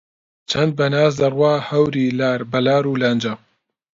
چەند بە ناز دەڕوات هەوری لار بە لارو لەنجە